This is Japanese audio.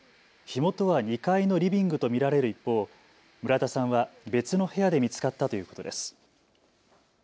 火元は２階のリビングと見られる一方、村田さんは別の部屋で見つかったということです。